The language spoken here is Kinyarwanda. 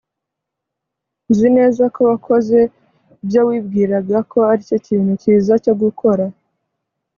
nzi neza ko wakoze ibyo wibwiraga ko aricyo kintu cyiza cyo gukora